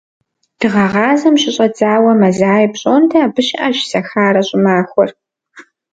Дыгъэгъазэм щыщӏэдзауэ мазае пщӏондэ абы щыӏэщ «Сахарэ щӏымахуэр».